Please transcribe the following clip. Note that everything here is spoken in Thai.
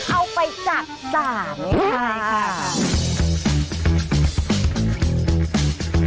เอาไปจักสารนะค่ะ